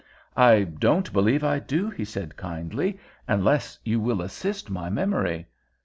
"I don't believe I do," he said kindly—"unless you will assist my memory."